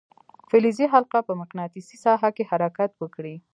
فلزي حلقه په مقناطیسي ساحه کې حرکت وکړي.